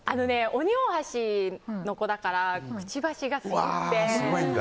オニオオハシの子だからくちばしがすごくて。